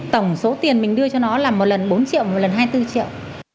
tổng số tiền mình đưa cho nó là một lần bốn triệu một lần hai mươi bốn triệu